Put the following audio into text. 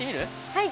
はい。